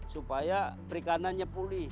supaya perikanannya pulih